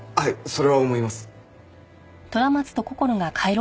それは思います。